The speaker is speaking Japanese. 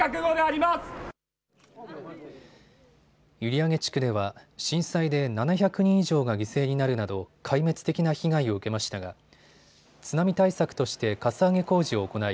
閖上地区では震災で７００人以上が犠牲になるなど壊滅的な被害を受けましたが津波対策としてかさ上げ工事を行い